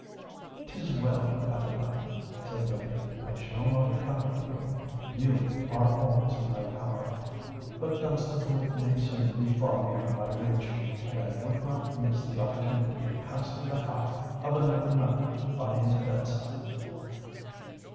"'Tis well, Adeline," said Lydia: "I shall not accompany you. You are always in my power—but Dunstable may soon be far beyond my reach; and I would not miss the opportunity of passing the half of another night by his bed side."